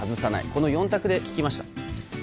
この４択で聞きました。